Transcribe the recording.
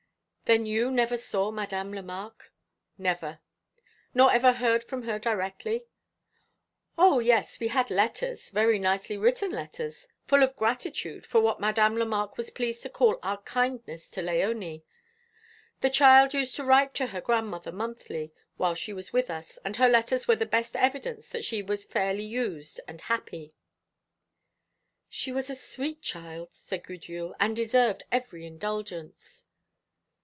"Then you never saw Madame Lemarque?" "Never." "Nor ever heard from her directly?" "O yes, we had letters very nicely written letters full of gratitude for what Madame Lemarque was pleased to call our kindness to Léonie. The child used to write to her grandmother monthly, while she was with us, and her letters were the best evidence that she was fairly used and happy." "She was a sweet child," said Gudule, "and deserved every indulgence."